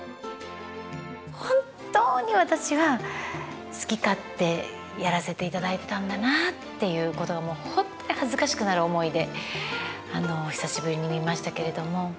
本当に私は好き勝手やらせていただいてたんだなっていうことが本当に恥ずかしくなる思いで久しぶりに見ましたけれども。